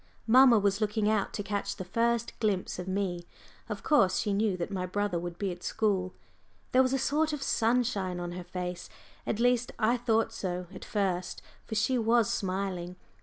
Mamma was looking out to catch the first glimpse of me of course she knew that my brother would be at school. There was a sort of sunshine on her face, at least I thought so at first, for she was smiling.